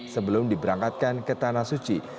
sebelum diberangkatkan ke tanah suci